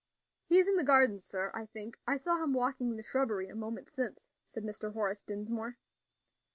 "He is in the garden, sir, I think. I saw him walking in the shrubbery a moment since," said Mr. Horace Dinsmore.